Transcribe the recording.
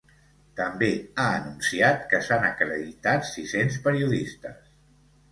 També ha anunciat que s’han acreditat sis-cents periodistes.